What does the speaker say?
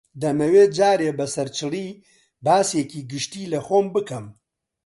دەمەوێ جارێ بە سەرچڵی باسێکی گشتی لە خۆم بکەم